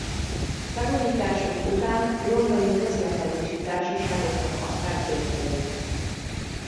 Felújításuk után londoni közlekedési társaságoknak adták bérbe őket.